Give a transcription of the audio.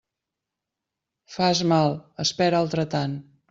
Fas mal, espera altre tant.